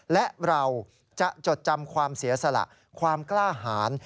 และเราจะจดจำความเสียสละความกล้าหาร